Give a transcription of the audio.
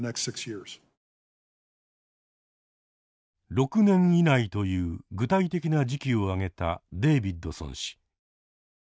６年以内という具体的な時期をあげたデービッドソン氏。